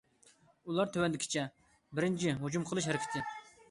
بۇلار تۆۋەندىكىچە: بىرىنچى، ھۇجۇم قىلىش ھەرىكىتى.